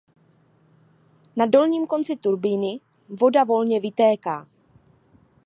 Na dolním konci turbíny voda volně vytéká.